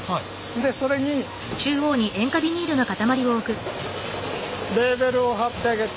でそれにレーベルを貼ってあげて。